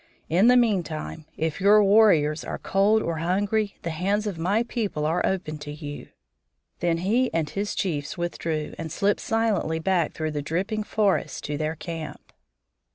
In the meantime if your warriors are cold or hungry the hands of my people are open to you." Then he and his chiefs withdrew, and slipped silently back through the dripping forest to their camp.